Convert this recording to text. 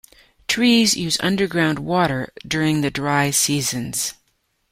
Trees use underground water during the dry seasons.